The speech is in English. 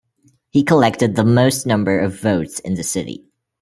He collected the most number of votes in the city.